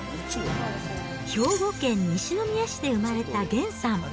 兵庫県西宮市で生まれたげんさん。